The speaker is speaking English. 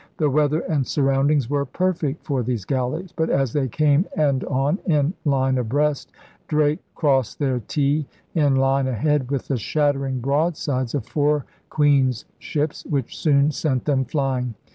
The weather and surroundings were perfect for these galleys. But as they came end on in line abreast Drake crossed their T in line ahead with the shattering broadsides of four Queen's ships which soon sent them flying.